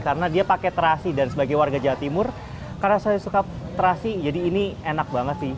karena dia pakai terasi dan sebagai warga jawa timur karena saya suka terasi jadi ini enak banget sih